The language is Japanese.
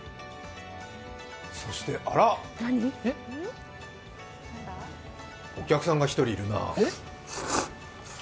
そして、あらっお客さんが１人いるな。